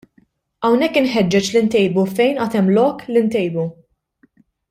Hawnhekk inħeġġeġ li ntejbu fejn għad hemm lok li ntejbu.